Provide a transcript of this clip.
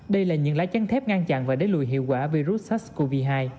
đây là những lái chăn thép ngang chặn và đế lùi hiệu quả virus sars cov hai